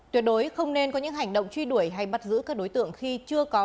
tuyệt đối không nên có những hành động truy đuổi hay bắt giữ các đối tượng khi chưa có